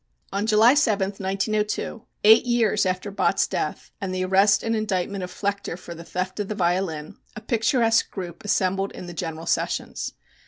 On July 7, 1902, eight years after Bott's death and the arrest and indictment of Flechter for the theft of the violin, a picturesque group assembled in the General Sessions.